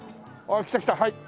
来た来たはい。